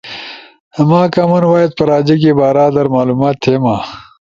ما کامن وائس پراجیکے بارا در معلومات تھیما۔